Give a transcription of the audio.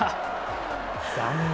残念。